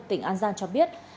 tỉnh an giang cho biết